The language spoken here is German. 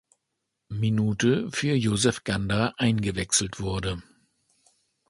Minute für Josef Ganda eingewechselt wurde.